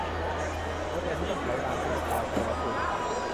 หัวใจที่ต้องไขลาน - สุภาว์ เทวกุล